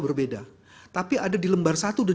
berbeda tapi ada di lembar satu dan